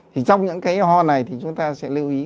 thì trong những cái ho này thì chúng ta sẽ lưu ý